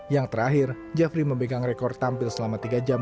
yang terakhir jeffrey memegang rekor tampil selama tiga jam